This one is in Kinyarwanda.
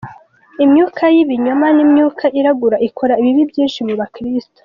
Imyuka y’ibinyoma n’imyuka iragura ikora ibibi byinshi mu bakiristo.